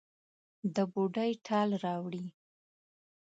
د بوډۍ ټال راوړي